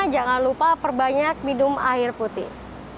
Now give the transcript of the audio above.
jangan lupa perbanyak minum air putih